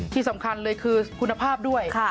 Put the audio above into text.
ที่สำคัญเลยคือคุณภาพด้วย